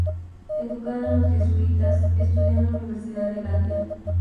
Educado en los jesuitas, estudió en la universidad de Gandía.